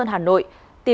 nó như thế